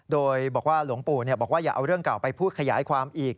โดยบอกว่าหลวงปู่บอกว่าอย่าเอาเรื่องเก่าไปพูดขยายความอีก